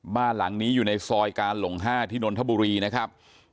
บ้านหลังนี้อยู่ในซอยการหลง๕ที่นนทบุรีนะครับ